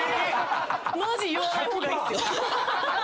マジ言わない方がいいっすよ。